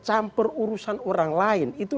campur urusan orang lain itu